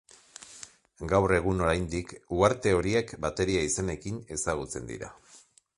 Gaur egun oraindik uharte horiek bateria izenekin ezagutzen dira.